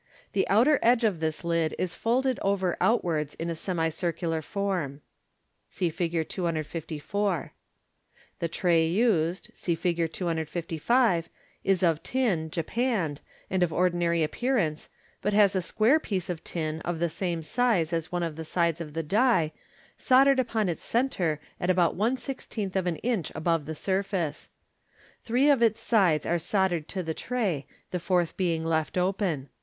The outer edge of this lid is folded over outwards in a semicircular form. [See Fig 254). The tray used (see Fig. 255) is of tin, japanned, and of ordinary appearance, but has a quare piece of tin, of the same size Fig. 255. Fig. a$6. 426 MODERN MAGIC. as one of the sides of the die, soldered upon its centre at about one sixteenth of an inch above the surface. Three of its sides are soldered to the tray, the fourth being left open.